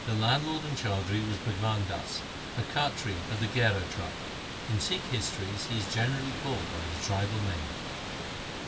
The landlord and chaudhri was Bhagwan Das, a Khatri of the Gherar tribe. In Sikh histories he is generally called by his tribal name.